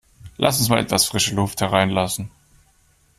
Lass uns mal etwas frische Luft hereinlassen!